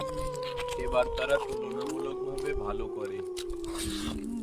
এবার তারা তুলনামূলকভাবে ভালো করে।